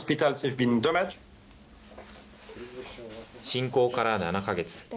侵攻から７か月。